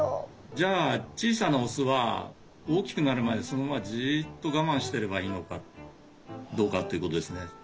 じゃあ小さなオスは大きくなるまでそのままじっとがまんしてればいいのかどうかっていうことですね。